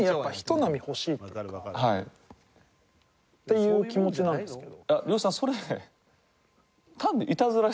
いう気持ちなんですけど。